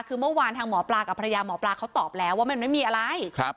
คือเมื่อวานทางหมอปลากับภรรยาหมอปลาเขาตอบแล้วว่ามันไม่มีอะไร